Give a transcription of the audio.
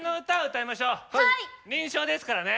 輪唱ですからね。